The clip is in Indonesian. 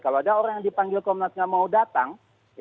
kalau ada orang yang dipanggil komnas tidak mau datang